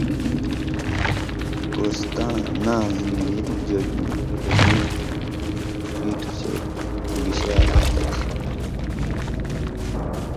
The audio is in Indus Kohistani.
کوہستان ناں ہِن جو لیل ہُوئ تُھو چے اُو گِشے علاقہ تھی۔